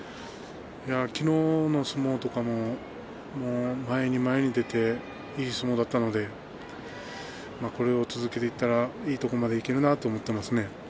昨日の相撲も前に前に出ていい相撲だったのでこれを続けていったらいいところまでいけるんじゃないかと思っています。